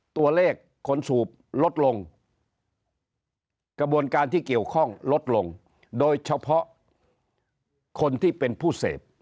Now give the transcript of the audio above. ตัวเลขคนสูบลดลงกระบวนการที่เกี่ยวข้องลดลงโดยเฉพาะคนที่เป็นผู้เสพ